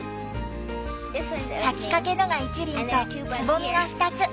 咲きかけのが一輪とつぼみが２つ。